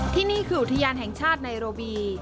ที่นี่คืออุทยานแห่งชาติไนโรบี